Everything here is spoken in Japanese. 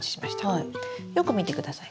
よく見てください。